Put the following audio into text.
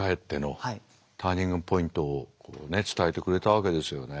ターニングポイントを伝えてくれたわけですよね。